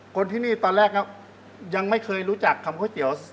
คนที่นี่ตอนแรกยังไม่เคยรู้จักคำก๋วยเตี๋ยว